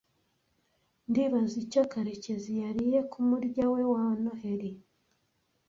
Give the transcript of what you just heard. Ndibaza icyo Karekezi yariye kumurya we wa Noheri.